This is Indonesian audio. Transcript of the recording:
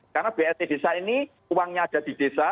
karena blt desa ini uangnya ada di desa